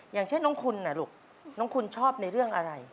อย่างเช่นน้องคุณลูกน้องคุณชอบในเรื่องอะไร